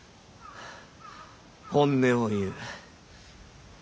本音を言う。